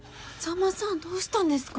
硲さんどうしたんですか？